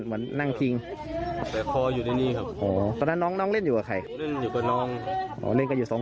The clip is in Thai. ผมถึงอยู่ในห่องดูเพราะว่าใครค่อยได้ฟัง